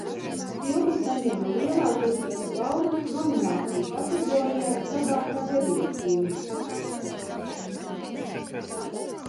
"Filma saņēma Lielā Kristapa balvas nomināciju kategorijā "Labākā debijas filma"."